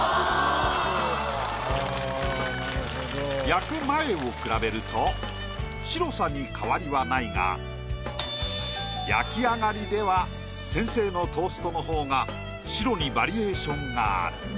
焼く前を比べると白さに変わりはないが焼き上がりでは先生のトーストの方が白にバリエーションがある。